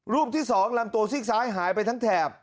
ที่๒ลำตัวซีกซ้ายหายไปทั้งแถบ